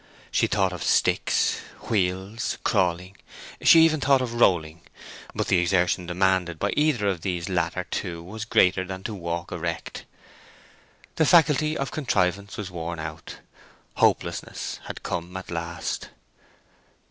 She thought of sticks, wheels, crawling—she even thought of rolling. But the exertion demanded by either of these latter two was greater than to walk erect. The faculty of contrivance was worn out. Hopelessness had come at last.